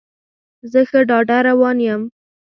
زه ښه ډاډه روان یم.